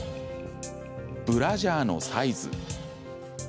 「ブラジャーのサイズ」